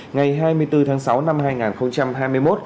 ngày hai mươi bốn tháng sáu năm hai nghìn hai mươi một